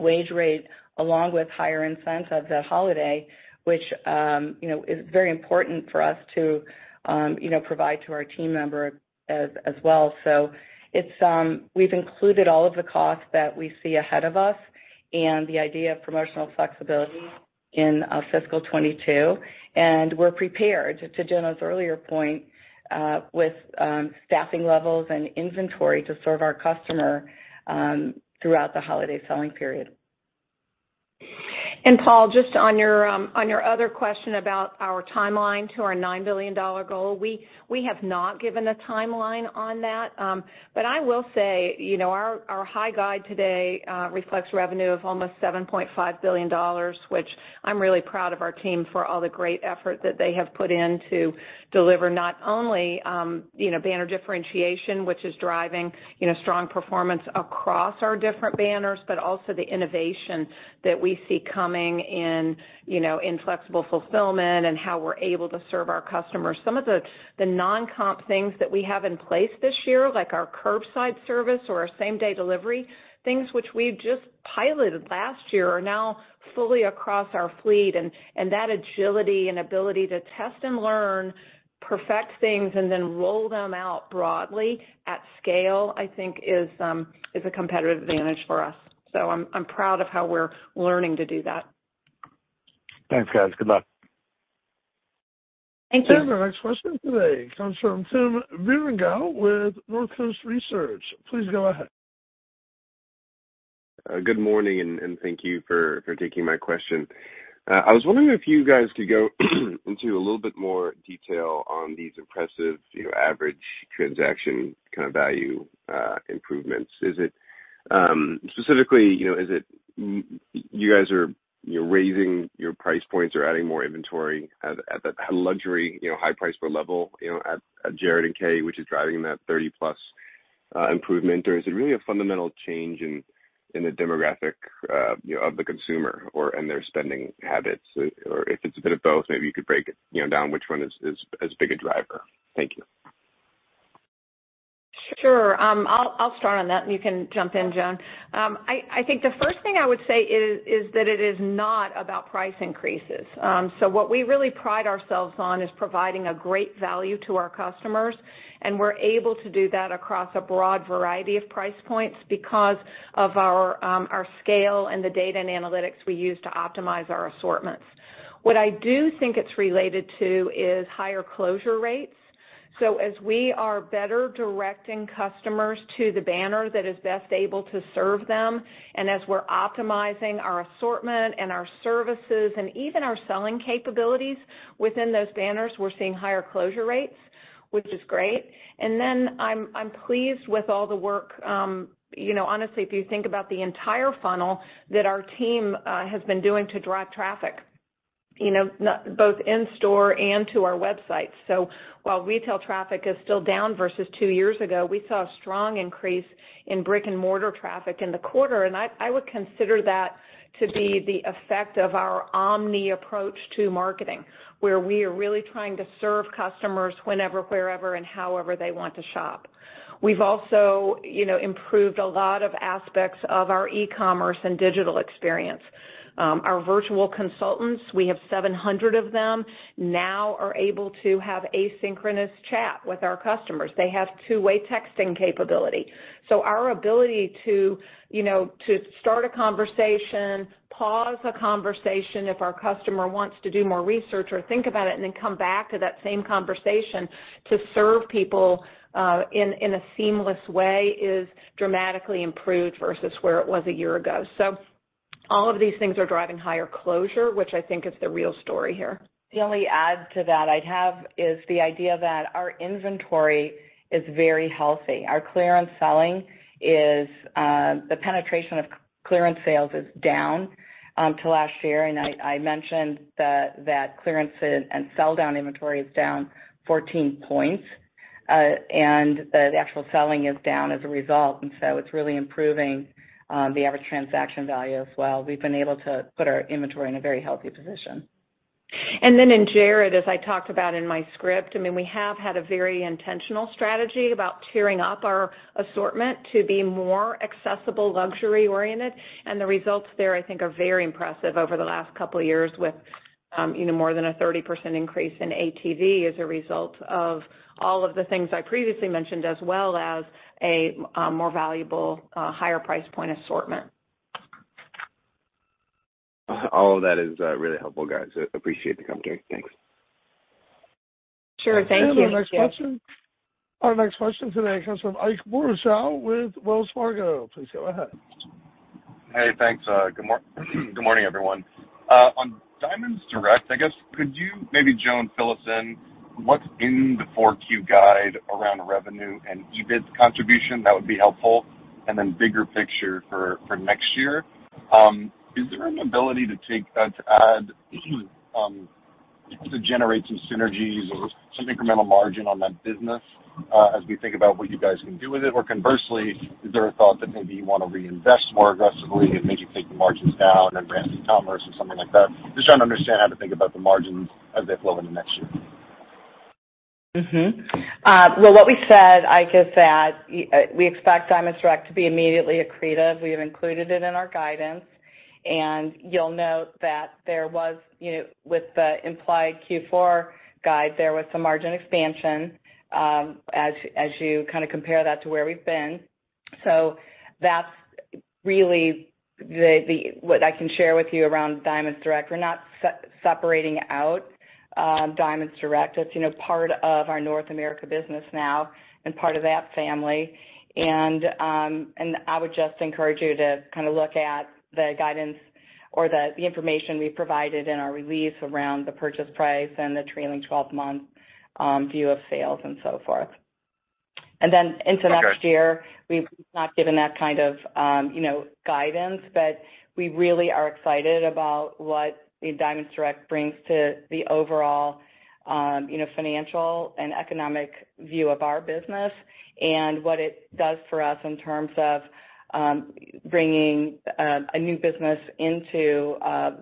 our wage rate along with higher incentive this holiday, which, you know, is very important for us to, you know, provide to our team member as well. We've included all of the costs that we see ahead of us and the idea of promotional flexibility in fiscal 2022. We're prepared, to Joan's earlier point, with staffing levels and inventory to serve our customer throughout the holiday selling period. Paul, just on your other question about our timeline to our $9 billion goal, we have not given a timeline on that. But I will say, you know, our high guide today reflects revenue of almost $7.5 billion, which I'm really proud of our team for all the great effort that they have put in to deliver not only, you know, banner differentiation, which is driving, you know, strong performance across our different banners, but also the innovation that we see coming in, you know, in flexible fulfillment and how we're able to serve our customers. Some of the non-comp things that we have in place this year, like our curbside service or our same-day delivery, things which we just piloted last year, are now fully across our fleet. that agility and ability to test and learn, perfect things, and then roll them out broadly at scale, I think is a competitive advantage for us. I'm proud of how we're learning to do that. Thanks, guys. Good luck. Thank you. Our next question today comes from Tim Vierengel with North Coast Research. Please go ahead. Good morning and thank you for taking my question. I was wondering if you guys could go into a little bit more detail on these impressive, you know, average transaction kind of value improvements. Is it specifically, you know, you guys raising your price points or adding more inventory at the luxury, you know, high price point level, you know, at Jared and Kay, which is driving that 30+ improvement? Or is it really a fundamental change in the demographic, you know, of the consumer or their spending habits? Or if it's a bit of both, maybe you could break it, you know, down which one is a big driver. Thank you. Sure. I'll start on that, and you can jump in, Joan. I think the first thing I would say is that it is not about price increases. What we really pride ourselves on is providing a great value to our customers, and we're able to do that across a broad variety of price points because of our scale and the data and analytics we use to optimize our assortments. What I do think it's related to is higher closure rates. As we are better directing customers to the banner that is best able to serve them, and as we're optimizing our assortment and our services and even our selling capabilities within those banners, we're seeing higher closure rates, which is great. I'm pleased with all the work, you know, honestly, if you think about the entire funnel that our team has been doing to drive traffic, you know, and both in-store and to our website. While retail traffic is still down versus two years ago, we saw a strong increase in brick-and-mortar traffic in the quarter. I would consider that to be the effect of our omni approach to marketing, where we are really trying to serve customers whenever, wherever, and however they want to shop. We've also, you know, improved a lot of aspects of our e-commerce and digital experience. Our virtual consultants, we have 700 of them, now are able to have asynchronous chat with our customers. They have two-way texting capability. Our ability to, you know, to start a conversation, pause a conversation if our customer wants to do more research or think about it, and then come back to that same conversation to serve people in a seamless way is dramatically improved versus where it was a year ago. All of these things are driving higher closure, which I think is the real story here. The only addition to that I'd have is the idea that our inventory is very healthy. Our clearance selling is the penetration of clearance sales is down to last year. I mentioned that clearance and sell down inventory is down 14 points, and the actual selling is down as a result. It's really improving the average transaction value as well. We've been able to put our inventory in a very healthy position. In Jared, as I talked about in my script, I mean, we have had a very intentional strategy about tearing up our assortment to be more accessible, luxury oriented. The results there, I think, are very impressive over the last couple of years with you know, more than a 30% increase in ATV as a result of all of the things I previously mentioned, as well as a more valuable, higher price point assortment. All of that is really helpful, guys. Appreciate the commentary. Thanks. Sure. Thank you. Our next question today comes from Ike Boruchow with Wells Fargo. Please go ahead. Hey, thanks. Good morning, everyone. On Diamonds Direct, I guess could you, maybe Joan, fill us in what's in the 4Q guide around revenue and EBIT's contribution? That would be helpful. Then bigger picture for next year, is there an ability to take that to add to generate some synergies or some incremental margin on that business, as we think about what you guys can do with it? Or conversely, is there a thought that maybe you wanna reinvest more aggressively and maybe take the margins down in Connected Commerce or something like that? Just trying to understand how to think about the margins as they flow into next year. Well, what we said, Ike, is that we expect Diamonds Direct to be immediately accretive. We have included it in our guidance. You'll note that there was, you know, with the implied Q4 guide, there was some margin expansion, as you kinda compare that to where we've been. That's really what I can share with you around Diamonds Direct. We're not separating out Diamonds Direct. It's, you know, part of our North America business now and part of that family. I would just encourage you to kinda look at the guidance or the information we provided in our release around the purchase price and the trailing twelve-month view of sales and so forth. Then into next year, we've not given that kind of, you know, guidance, but we really are excited about what Diamonds Direct brings to the overall, you know, financial and economic view of our business and what it does for us in terms of, bringing, a new business into,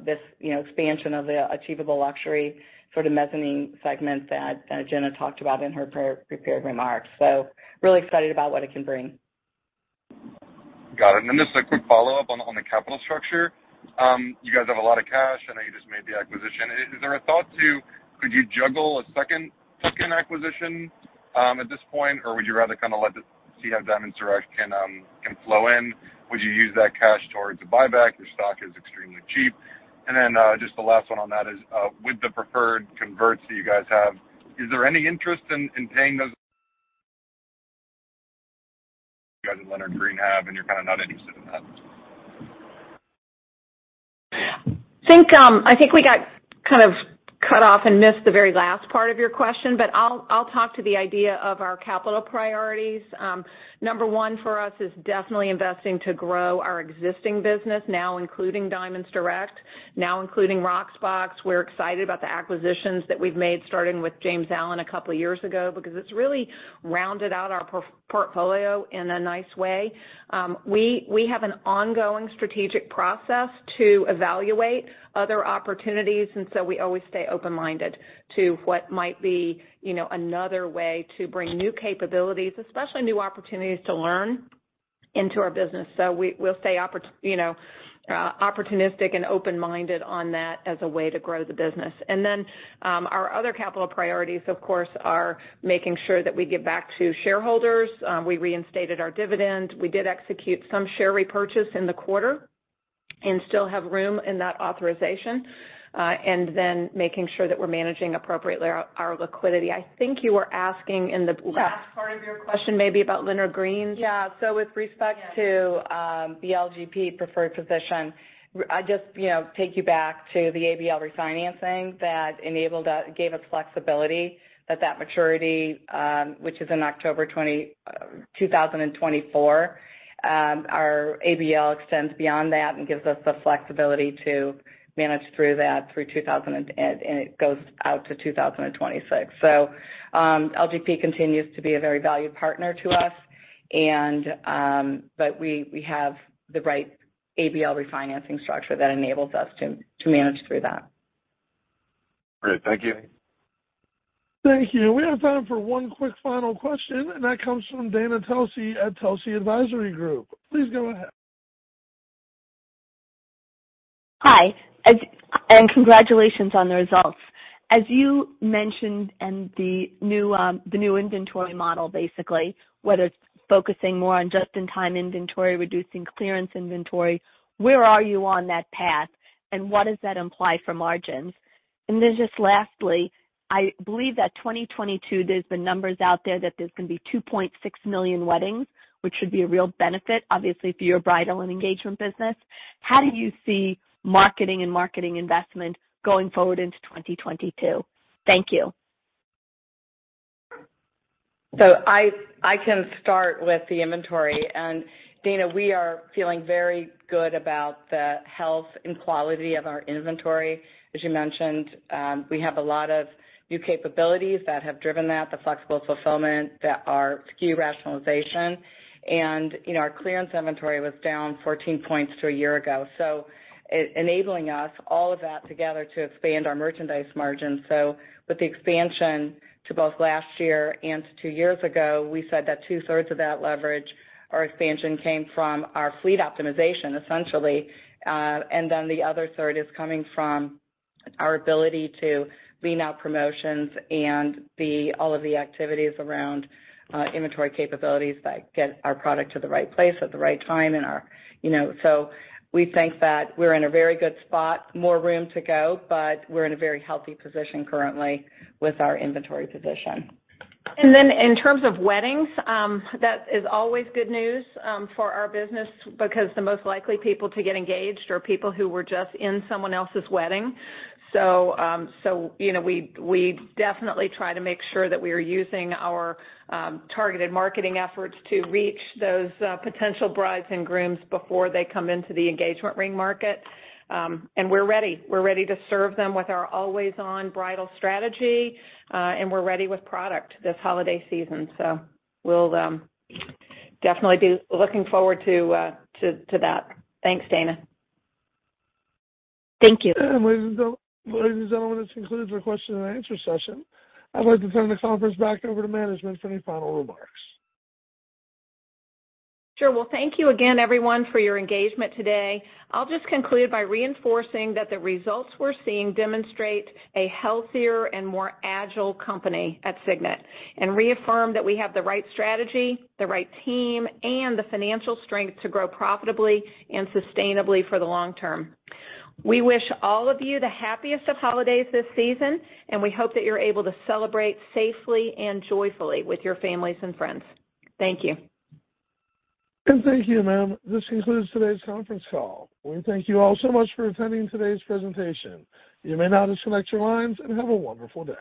this, you know, expansion of the accessible luxury sort of mezzanine segment that, Gina talked about in her pre-prepared remarks. Really excited about what it can bring. Got it. Just a quick follow-up on the capital structure. You guys have a lot of cash. I know you just made the acquisition. Is there a thought, could you juggle a second tuck-in acquisition at this point, or would you rather kinda let this one see how Diamonds Direct can fold in? Would you use that cash towards a buyback? Your stock is extremely cheap. Just the last one on that is, with the preferred converts that you guys have, is there any interest in paying those you guys at Leonard Green have and you're kinda not interested in that? I think we got kind of cut off and missed the very last part of your question, but I'll talk to the idea of our capital priorities. Number one for us is definitely investing to grow our existing business now including Diamonds Direct, now including Rocksbox. We're excited about the acquisitions that we've made, starting with James Allen a couple years ago, because it's really rounded out our portfolio in a nice way. We have an ongoing strategic process to evaluate other opportunities, and so we always stay open-minded to what might be, you know, another way to bring new capabilities, especially new opportunities to learn into our business. We'll stay opportunistic and open-minded on that as a way to grow the business. Our other capital priorities, of course, are making sure that we give back to shareholders. We reinstated our dividend. We did execute some shares repurchase in the quarter and still have room in that authorization and making sure that we're managing appropriately our liquidity. I think you were asking in the last part of your question maybe about Leonard Green. Yeah. With respect to the LGP preferred position, I just, you know, take you back to the ABL refinancing that enabled that, gave us flexibility that maturity, which is in October 2024, our ABL extends beyond that and gives us the flexibility to manage through that through 2026 and it goes out to 2026. LGP continues to be a very valued partner to us and, but we have the right ABL refinancing structure that enables us to manage through that. Great. Thank you. Thank you. We have time for one quick final question, and that comes from Dana Telsey at Telsey Advisory Group. Please go ahead. Hi, and congratulations on the results. As you mentioned, the new inventory model, basically, whether it's focusing more on just-in-time inventory, reducing clearance inventory, where are you on that path? What does that imply for margins? Then just lastly, I believe that 2022, there's been numbers out there that there's gonna be 2.6 million weddings, which should be a real benefit, obviously, for your bridal and engagement business. How do you see marketing and marketing investment going forward into 2022? Thank you. I can start with the inventory. Dana, we are feeling very good about the health and quality of our inventory. As you mentioned, we have a lot of new capabilities that have driven that, the flexible fulfillment and SKU rationalization. You know, our clearance inventory was down 14 points from a year ago. enabling us, all of that together, to expand our merchandise margin. With the expansion in both last year and two years ago, we said that two-thirds of that leverage or expansion came from our fleet optimization, essentially. Then the other third is coming from our ability to lean out promotions and all of the activities around inventory capabilities that get our product to the right place at the right time and ours. We think that we're in a very good spot, more room to go, but we're in a very healthy position currently with our inventory position. In terms of weddings, that is always good news for our business because the most likely people to get engaged are people who were just in someone else's wedding. You know, we definitely try to make sure that we are using our targeted marketing efforts to reach those potential brides and grooms before they come into the engagement ring market. We're ready. We're ready to serve them with our always-on bridal strategy, and we're ready with product this holiday season. We'll definitely be looking forward to that. Thanks, Dana. Thank you. Ladies and gentlemen, this concludes our question-and-answer session. I'd like to turn the conference back over to management for any final remarks. Sure. Well, thank you again, everyone, for your engagement today. I'll just conclude by reinforcing that the results we're seeing demonstrate a healthier and more agile company at Signet, and reaffirm that we have the right strategy, the right team, and the financial strength to grow profitably and sustainably for the long term. We wish all of you the happiest of holidays this season, and we hope that you're able to celebrate safely and joyfully with your families and friends. Thank you. Thank you, ma'am. This concludes today's conference call. We thank you all so much for attending today's presentation. You may now disconnect your lines and have a wonderful day.